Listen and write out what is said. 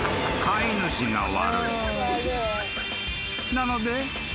［なので］